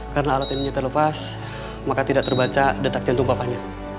karena alat ini nyetir lepas maka tidak terbaca detak jantung papanya